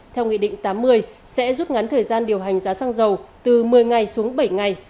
theo nghị định tám mươi sẽ rút ngắn thời gian điều hành giá xăng dầu từ một mươi ngày xuống bảy ngày